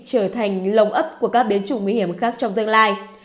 trở thành lồng ấp của các biến chủng nguy hiểm khác trong tương lai